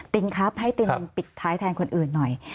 ตินครับให้ตินปิดท้ายแทนคนอื่นหน่อย